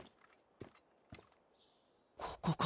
ここか。